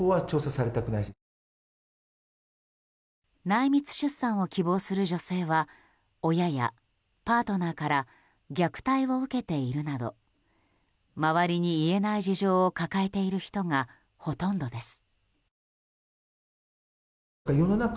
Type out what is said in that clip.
内密出産を希望する女性は親やパートナーから虐待を受けているなど周りに言えない事情を抱えている人がほとんどです。